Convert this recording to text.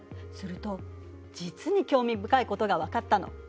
すると実に興味深いことが分かったの。